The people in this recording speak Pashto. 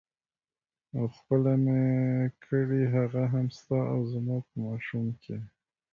او خپله مې کړې هغه هم ستا او زما په ماشوم کې.